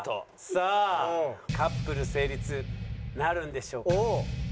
さあカップル成立なるんでしょうか？